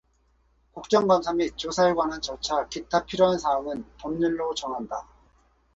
국정감사 및 조사에 관한 절차 기타 필요한 사항은 법률로 정한다.